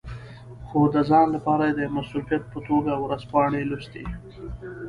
خو د ځان لپاره یې د مصروفیت په توګه ورځپاڼې لوستې.